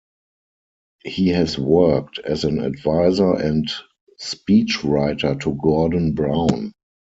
He has worked as an advisor and speechwriter to Gordon Brown.